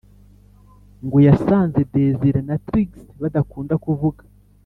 ngo yasanze desire na trix badakunda kuvuga